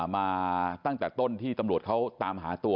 มาตั้งแต่ต้นที่ตำรวจเขาตามหาตัว